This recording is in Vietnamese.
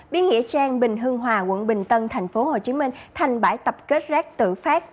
biến nghĩa trang bình hưng hòa quận bình tân tp hcm thành bãi tập kết rác tự phát